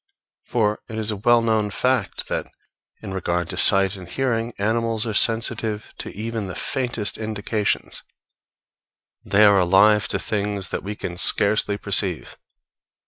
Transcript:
For it is a well known fact that, in regard to sight and hearing, animals are sensitive to even the faintest indications; they are alive to things that we can scarcely perceive.